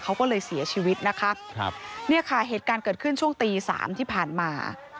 เขาก็เลยเสียชีวิตนะคะครับเนี่ยค่ะเหตุการณ์เกิดขึ้นช่วงตีสามที่ผ่านมา